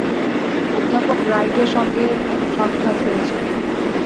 অধ্যাপক রাইটের সঙ্গেও সাক্ষাৎ হয়েছে।